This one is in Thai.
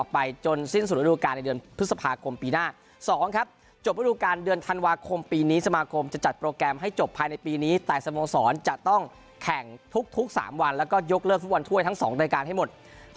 ปีนี้สมาคมจะจัดโปรแกรมให้จบภายในปีนี้แต่สโมสรจะต้องแข่งทุก๓วันแล้วก็ยกเลิกทุกวันถ้วยทั้ง๒รายการให้หมด